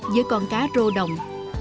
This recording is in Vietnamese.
với con cá rô đồng